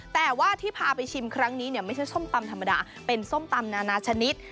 แต่ว่าที่พาไปชิมครั้งนี้เนี่ยไม่ใช่ส้มตำธรรมดาเป็นส้มตำนานาชนิด